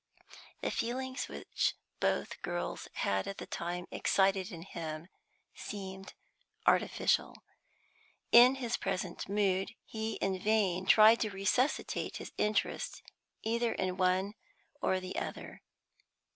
The feelings which both girls had at the time excited in him seemed artificial; in his present mood he in vain tried to resuscitate his interest either in the one or the other.